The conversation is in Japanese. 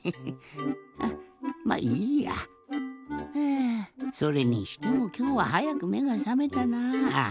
あそれにしてもきょうははやくめがさめたなぁ。